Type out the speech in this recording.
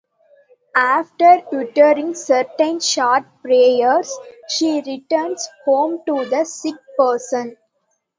After uttering certain short prayers, she returns home to the sick person.